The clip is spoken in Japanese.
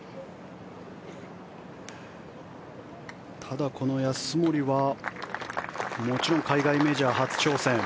ただ、安森はもちろん海外メジャー初挑戦。